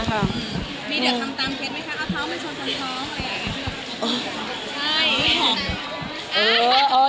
มีเดี๋ยวทำตามเคล็ดไหมคะ